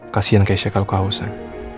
kasian keisha kalau kehausan